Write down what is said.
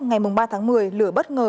ngày mùng ba tháng một mươi lửa bất ngờ